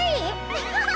アッハハ！